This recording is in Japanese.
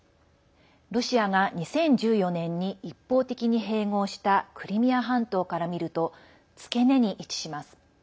ロシアが２０１４年に一方的に併合したクリミア半島から見ると付け根に位置します。